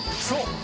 そう！